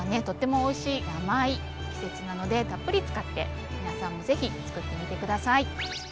とってもおいしい甘い季節なのでたっぷり使って皆さんもぜひつくってみて下さい。